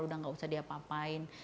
udah nggak usah diapapain